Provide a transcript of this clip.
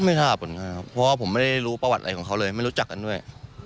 ไม่ทราบเหมือนกันครับเพราะว่าผมไม่ได้รู้ประวัติอะไรของเขาเลยไม่รู้จักกันด้วย